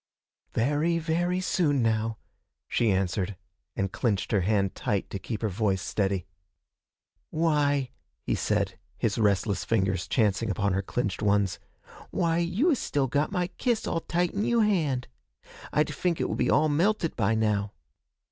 'Very, very soon now,' she answered, and clinched her hand tight to keep her voice steady. 'Why,' he said, his restless fingers chancing upon her clinched ones, 'why, you is still got my kiss all tight in you hand. I'd fink it would be all melted by now.'